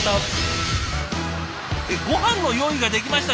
「ごはんの用意ができました！」